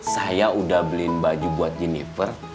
saya udah beliin baju buat jennifer